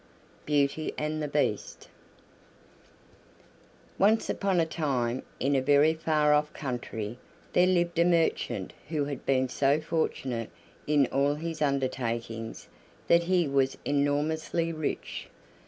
BEAUTY AND THE BEAST Once upon a time, in a very far off country, there lived a merchant who had been so fortunate in all his undertakings that he was enormously rich.